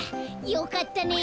よかったね。